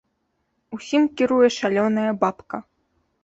Усім кіруе шалёная бабка.